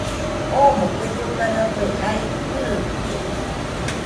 Omo kue lloga rafue jae ɨrɨbide